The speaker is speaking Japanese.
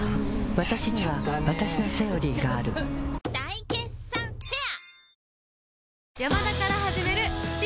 わたしにはわたしの「セオリー」がある大決算フェア